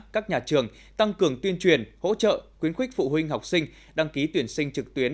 các nhà trường tăng cường tuyên truyền hỗ trợ khuyến khích phụ huynh học sinh đăng ký tuyển sinh trực tuyến